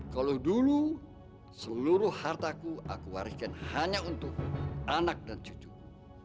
kalau dulu seluruh hartaku aku wariskan hanya untuk anak dan cucuku